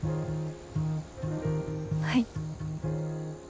はい。